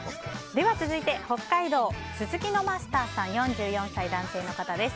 では続いて北海道の４４歳、男性の方です。